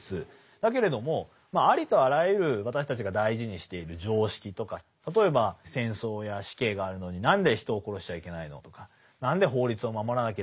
だけれどもありとあらゆる私たちが大事にしている常識とか例えば戦争や死刑があるのに何で人を殺しちゃいけないの？とか何で法律を守らなければいけないの？